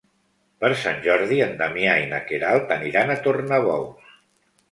Per Sant Jordi en Damià i na Queralt aniran a Tornabous.